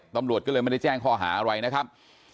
ตำรวจก็เลยไม่ได้แจ้งข้อหาอะไรนะครับ